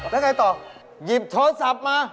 แล้วไงต่อหยิบโทรศัพท์มา